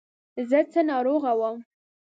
زه څه ناروغه وم.